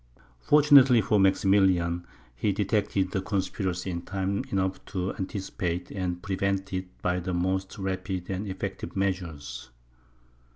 Fortunately for Maximilian, he detected the conspiracy in time enough to anticipate and prevent it by the most rapid and effective measures.